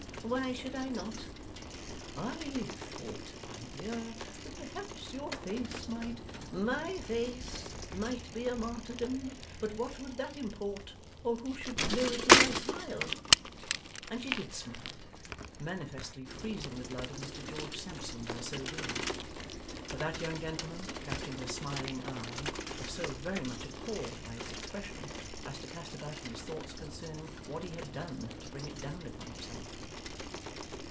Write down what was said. Why should I not?' 'I thought, my dear, that perhaps your face might ' 'My face might be a martyrdom, but what would that import, or who should know it, if I smiled?' And she did smile; manifestly freezing the blood of Mr George Sampson by so doing. For that young gentleman, catching her smiling eye, was so very much appalled by its expression as to cast about in his thoughts concerning what he had done to bring it down upon himself.